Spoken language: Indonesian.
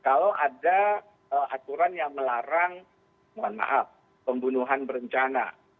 kalau ada aturan yang melarang mohon maaf pembunuhan berencana